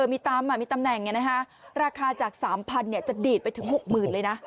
มีตำแหน่งราคาจาก๓๐๐จะดีดไปถึง๖๐๐๐เลยนะ